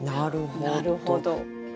なるほど。